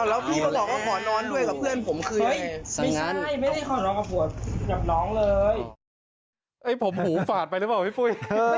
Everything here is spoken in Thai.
เอ้ยผมหูฝาดไปหรือเปล่าพี่ฟุย